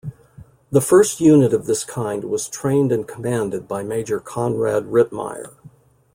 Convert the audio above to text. The first unit of this kind was trained and commanded by Major Konrad Rittmeyer.